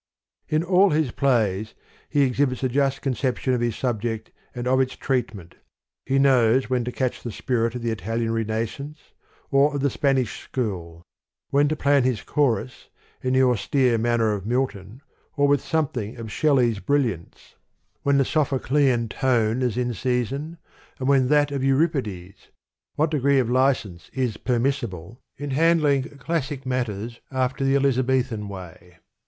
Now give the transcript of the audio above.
In all his plays, he exhibits a just con ception of his subject and of its treatment: he knows, when to catch the spirit of the Italian Renaissance, or of the Spanish school ; when to plan his chorus in the aus tere manner of Milton, or with something of Shelley's brilliance ; when the Sophoclean tone is in season, and when that of Euripi des; what degree of license is permissible, THE POEMS OF MR. BRIDGES. in handling classic matters after the Eliza bethan way.